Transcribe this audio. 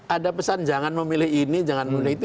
ada pesan jangan memilih ini jangan memilih itu